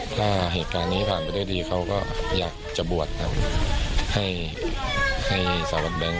ถ้าเหตุการณ์นี้ผ่านไปด้วยดีเขาก็อยากจะบวชครับให้สาววันแบงค